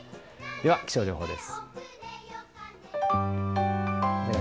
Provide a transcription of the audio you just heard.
では気象情報です。